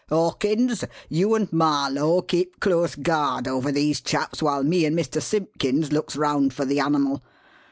"Hawkins, you and Marlow keep close guard over these chaps while me and Mr. Simpkins looks round for the animal.